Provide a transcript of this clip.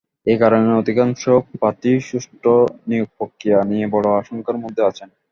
এ কারণে অধিকাংশ প্রার্থীই সুষ্ঠু নিয়োগপ্রক্রিয়া নিয়ে বড় আশঙ্কার মধ্যে আছেন।